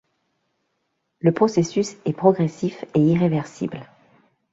Le processus est progressif et irréversible.